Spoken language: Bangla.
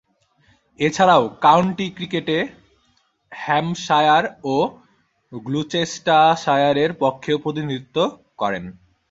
এছাড়াও, কাউন্টি ক্রিকেটে হ্যাম্পশায়ার ও গ্লুচেস্টারশায়ারের পক্ষেও প্রতিনিধিত্ব করেন।